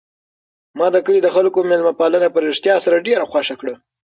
ما د کلي د خلکو مېلمه پالنه په رښتیا سره ډېره خوښه کړه.